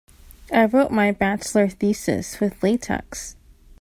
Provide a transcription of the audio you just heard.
I wrote my bachelor thesis with latex.